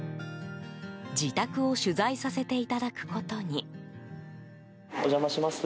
自宅を取材させていただくことに。